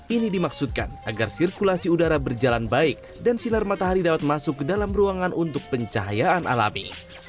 ini dimaksudkan agar sirkulasi udara berjalan baik dan sinar matahari dapat masuk ke dalam ruangan untuk pencahayaan alami